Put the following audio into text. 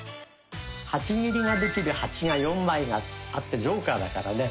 ８切りができる「８」が４枚あってジョーカーだからね。